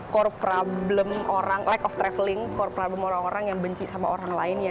core problem orang lack of traveling core problem orang orang yang benci sama orang lain ya